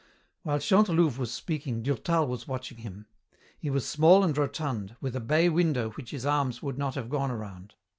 While Chantelouve was speaking, Durtal was watching him. He was small and rotund, with a bay window which his arms would not have gone around.